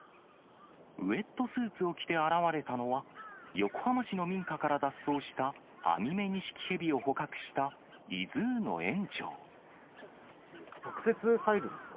ウエットスーツを着て現れたのは、横浜市の民家から脱走した、アミメニシキヘビを捕獲したイズ直接入るんですか？